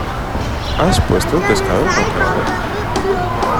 ¿Has puesto el pescado en el congelador?